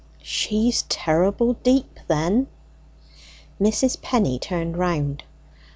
"She's terrible deep, then." Mrs. Penny turned round.